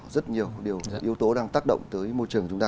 rất nhiều điều yếu tố đang tác động tới môi trường chúng ta